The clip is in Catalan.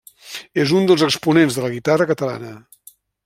És un dels exponents de la guitarra catalana.